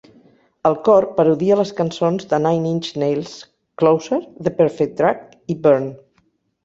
El cor parodia les cançons de Nine Inch Nails "Closer", "The Perfect Drug" i "Burn".